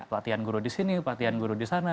latihan guru di sini latihan guru di sana